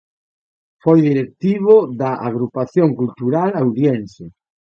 Foi directivo da Agrupación Cultural Auriense.